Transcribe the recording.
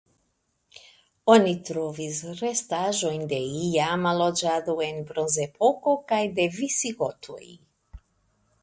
Oni trovis restaĵojn de iama loĝado en Bronzepoko kaj de visigotoj.